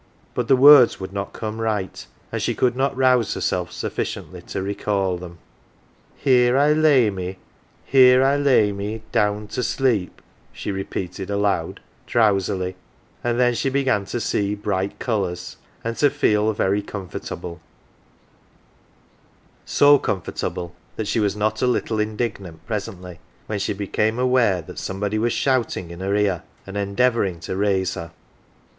But the words would not come right, and she could not rouse herself suffi ciently to recall them. " Here I lay me .... here I lay me down to sleep,"" she repeated aloud, drowsily, and then she began to see bright colours, and to feel very comfortable so comfort able that she was not a little indignant presently when she became aware that somebody was shouting in her ear and endeavouring to raise her.